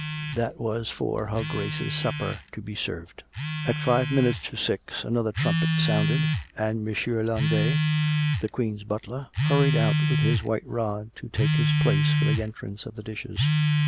That was for her Grace's supper to be served. At five minutes to six another trumpet sounded, and M. Landet, the Queen's butler, hurried out with his white rod to take his place for the entrance of the dishes.